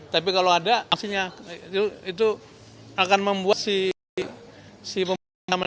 tapi kalau ada aksinya itu akan membuat si pemerintah